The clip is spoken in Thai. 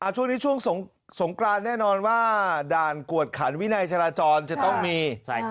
ช่วงนี้ช่วงสงกรานแน่นอนว่าด่านกวดขันวินัยจราจรจะต้องมี